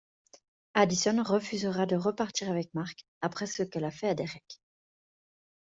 Addison refusera de repartir avec Mark, après ce qu'elle a fait à Derek.